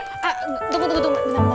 tunggu tunggu tunggu